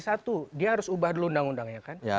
satu dia harus ubah dulu undang undangnya kan